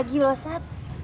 gitu lagi loh sat